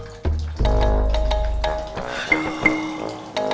achen nyucinya kok kayak begitu